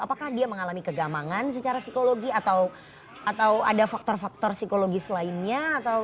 apakah dia mengalami kegamangan secara psikologi atau ada faktor faktor psikologis lainnya